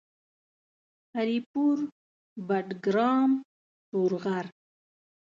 هري پور ، بټګرام ، تورغر